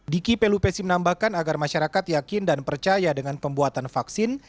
diki pelupesi menambahkan agar masyarakat yakin dan percaya dengan pembuatan vaksin